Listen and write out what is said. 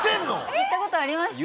行った事ありました。